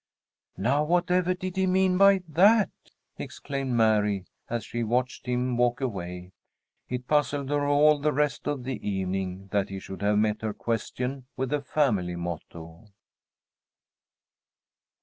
_" "Now whatever did he mean by that!" exclaimed Mary, as she watched him walk away. It puzzled her all the rest of the evening that he should have met her question with the family motto.